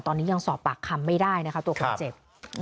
ตอนนี้ยังสอบปากคำไม่ได้นะคะตัวคนเจ็บ